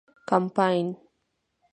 کمپاین